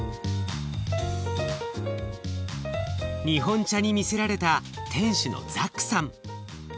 日本茶に魅せられた店主のザックさん。